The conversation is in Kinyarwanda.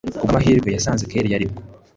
kubwamahirwe yasanze kellia aribwo